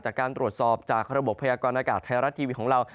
จากการตรวจสอบจากระบบพยากรณากาศไทยรัฐทีวีของเรา